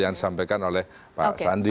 yang disampaikan oleh pak sandi